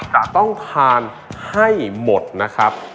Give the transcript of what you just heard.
๒จานครับ